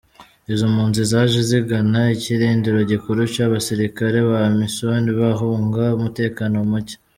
Izo mpunzi zaje zigana ikirindiro gikuru c'abasirikare ba Amisom bahunga umutekano muke.